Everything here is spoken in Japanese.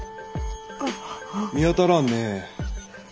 見当たらんね。